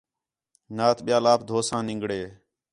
نات ٻِیال آپ دھوساں نِنگڑے